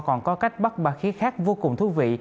còn có cách bắt ba khí khác vô cùng thú vị